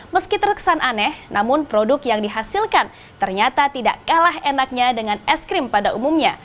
meski terkesan aneh namun produk yang dihasilkan ternyata tidak kalah enaknya dengan es krim pada umumnya